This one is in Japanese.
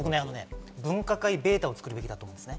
分科会データを作るべきだと思います。